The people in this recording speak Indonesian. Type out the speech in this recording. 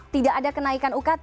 tidak ada kenaikan ukt